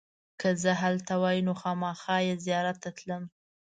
که زه هلته وای نو خامخا یې زیارت ته تلم.